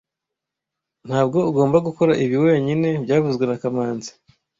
Ntabwo ugomba gukora ibi wenyine byavuzwe na kamanzi